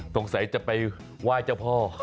สงสัยจะไปไหว้เจ้าพ่อ